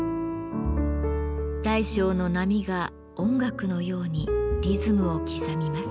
大小の波が音楽のようにリズムを刻みます。